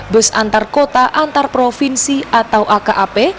tujuh ratus delapan puluh dua bus antar kota antar provinsi atau akap